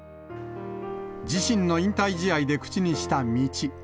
自身の引退試合で口にした道。